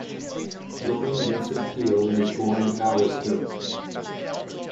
Norman Vincent Peale was born in Bowersville.